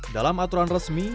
dalam aturan resmi